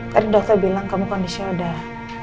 tadi dokter bilang kamu kondisinya udah